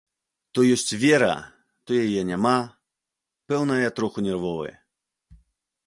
То ёсць вера, то яе няма, пэўна я троху нервовы.